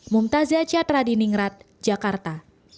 mumtazia chattradiningrat jakarta